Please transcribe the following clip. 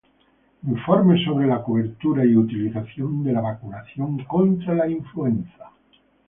Informes sobre la cobertura y utilización de la vacunación contra la influenza